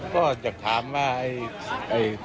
ก็อยากถามว่า